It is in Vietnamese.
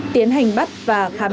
tiến hành bắt và khai bóng đá